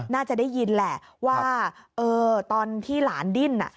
น่าจะได้ยินแหละว่าตอนที่หลานดิ้น